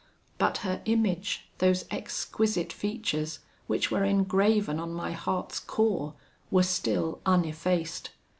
But her image those exquisite features, which were engraven on my heart's core, were still uneffaced.